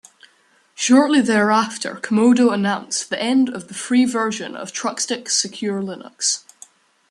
Shortly thereafter Comodo announced the end of the free version of Trustix Secure Linux.